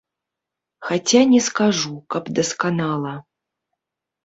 Хаця не скажу, каб дасканала.